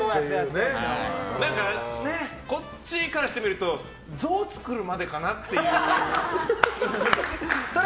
こっちからしてみると像を作るまでかなっていう。